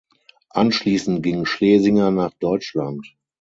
Anschließend ging Schlesinger nach Deutschland.